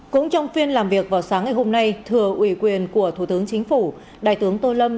cũng trong phiên làm việc vào sáng ngày hôm nay thừa ủy quyền của thủ tướng chính phủ đại tướng tô lâm